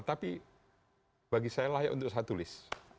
tapi bagi saya layak untuk saya tulis